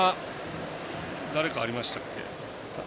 誰かありましたっけ。